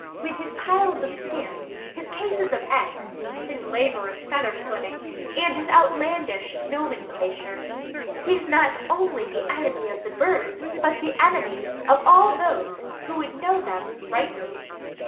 With his piles of skins, his cases of eggs, his laborious feather splitting, and his outlandish nomenclature, he is not only the enemy of the birds but the enemy of all those who would know them rightly.